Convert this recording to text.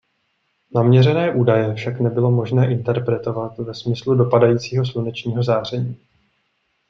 Naměřené údaje však nebylo možné interpretovat ve smyslu dopadajícího slunečního záření.